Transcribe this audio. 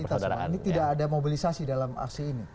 spontanitas maksudnya tidak ada mobilisasi dalam aksi ini